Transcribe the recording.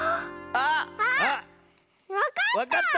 あっわかった！